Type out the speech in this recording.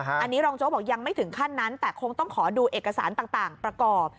อันนี้รองโจ๊กบอกยังไม่ถึงขั้นนั้นแต่คงต้องขอดูเอกสารต่างประกอบ